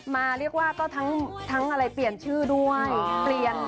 มาเรียกว่าก็ทั้งอะไรเปลี่ยนชื่อด้วยเปลี่ยน